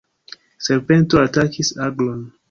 Serpento atakis aglon.